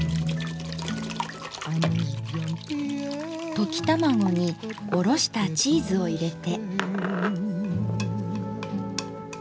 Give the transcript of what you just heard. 溶き卵におろしたチーズを入れて。